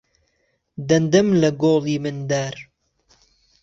دەندهم له گۆڵی مندار